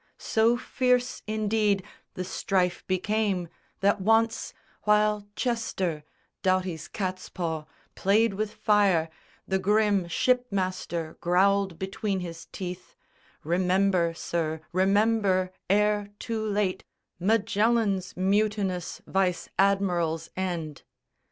So fierce indeed the strife became that once, While Chester, Doughty's catspaw, played with fire, The grim ship master growled between his teeth, "Remember, sir, remember, ere too late, Magellan's mutinous vice admiral's end."